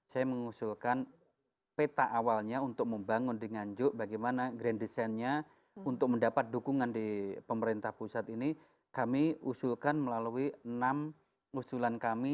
saya mengusulkan peta awalnya untuk membangun dengan jok bagaimana grand designnya untuk mendapat dukungan di pemerintah pusat ini kami usulkan melalui enam usulan kami